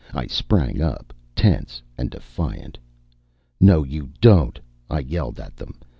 I sprang up, tense and defiant. "No, you don't!" I yelled at them.